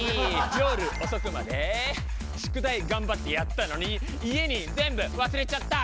夜遅くまで宿題頑張ってやったのに家に全部忘れちゃった。